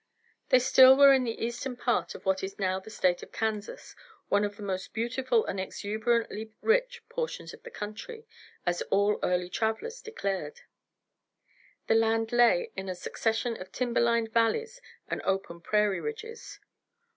They still were in the eastern part of what is now the state of Kansas, one of the most beautiful and exuberantly rich portions of the country, as all early travelers declared. The land lay in a succession of timber lined valleys and open prairie ridges.